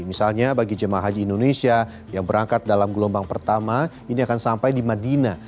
misalnya bagi jemaah haji indonesia yang berangkat dalam gelombang pertama ini akan sampai di madinah